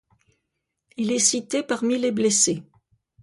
Il est cité parmi les blessés.